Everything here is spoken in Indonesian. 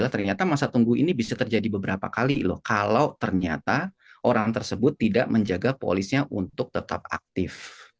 ternyata masa tunggu ini bisa terjadi beberapa kali loh kalau ternyata orang tersebut tidak menjaga polisnya untuk tetap aktif